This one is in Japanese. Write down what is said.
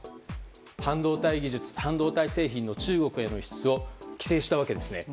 半導体技術、半導体製品の中国への輸出を規制したわけです。